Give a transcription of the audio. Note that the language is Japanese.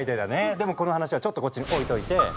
でもこの話はちょっとこっちに置いといて。